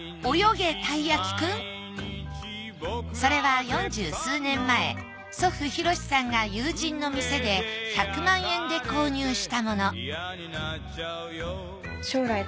それは４０数年前祖父博さんが友人の店で１００万円で購入したもの